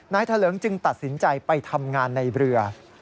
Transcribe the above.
ทะเลิงจึงตัดสินใจไปทำงานในเรือ